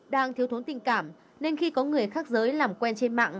đang thiếu thốn tình cảm nên khi có người khác giới làm quen trên mạng